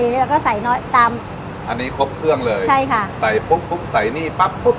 แล้วก็ใส่น้อยตามอันนี้ครบเครื่องเลยใช่ค่ะใส่พุกพุกใส่นี่ปั๊บพุก